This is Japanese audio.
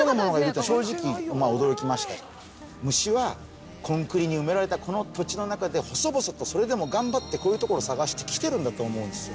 虫はコンクリに埋められたこの土地の中で細々と、それでも頑張ってそういうところを探して来ているんだと思うんですよ。